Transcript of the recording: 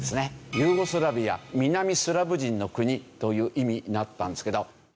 ユーゴスラビア南スラブ人の国という意味だったんですけど。